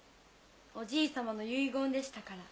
おじいさまの遺言でしたから。